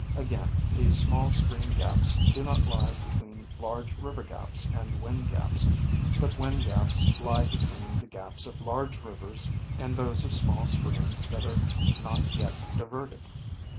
Again, these small stream gaps do not lie between large river gaps and wind gaps, but wind gaps lie between the gaps of large rivers and those of small streams that are not yet diverted.